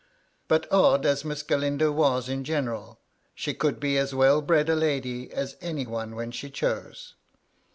But odd as Miss Galindo was in general, she could be as well bred a lady as any one when she chose.